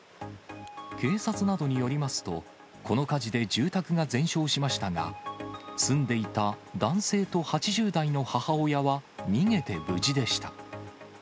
警察などによりますと、この火事で住宅が全焼しましたが、住んでいた男性と８０代の母親は、逃げて無事でした。